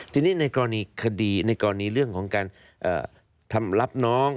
ทีนี้ในกรณีในกรณีเรื่องของการทำรับน้อง